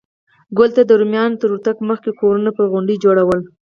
ګول ته د رومیانو تر ورتګ مخکې کورونه پر غونډیو جوړول